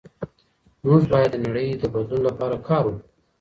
موږ باید د نړۍ د بدلون لپاره کار وکړو.